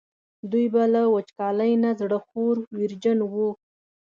دوی به له وچکالۍ نه زړه خوړ ویرجن وو.